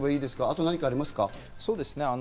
あと何かありますか？